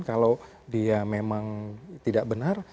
kalau dia memang tidak benar